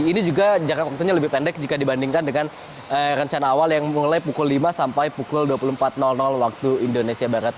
ini juga jarak waktunya lebih pendek jika dibandingkan dengan rencana awal yang mulai pukul lima sampai pukul dua puluh empat waktu indonesia barat